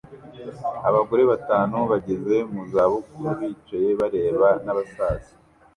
Abagore batanu bageze mu za bukuru bicaye bareba n'abasaza